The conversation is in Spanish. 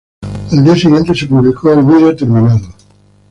Al día siguiente, se publicó el vídeo terminado.